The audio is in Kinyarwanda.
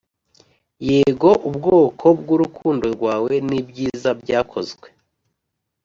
yego, ubwoko bwurukundo rwawe nibyiza byakozwe